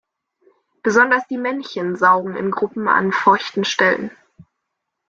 Besonders die Männchen saugen in Gruppen an feuchten Stellen.